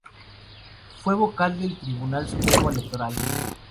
Fue vocal del Tribunal Supremo Electoral.